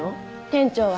店長はね